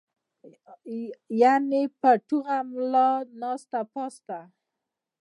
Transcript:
يعني پۀ ټوغه ملا ناسته پاسته